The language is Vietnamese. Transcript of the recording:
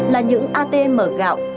là những atm gạo